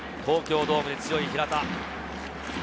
東京ドームに強い平田。